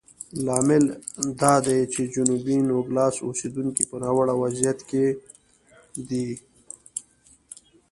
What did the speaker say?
لامل دا دی چې جنوبي نوګالس اوسېدونکي په ناوړه وضعیت کې دي.